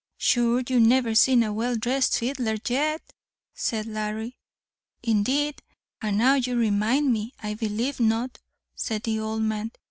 "Sure you never seen a well dhrest fiddler yet," said Larry. "Indeed, and now you remind me, I believe not," said the old man.